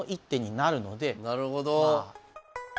なるほど。